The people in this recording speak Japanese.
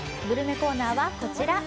グルメコーナーはこちら。